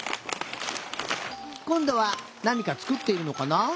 こんどはなにかつくっているのかな？